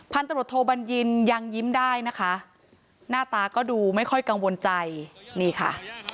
ตำรวจโทบัญญินยังยิ้มได้นะคะหน้าตาก็ดูไม่ค่อยกังวลใจนี่ค่ะ